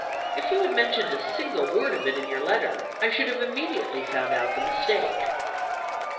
If you had mentioned a single word of it in your letter, I should have immediately found out the mistake."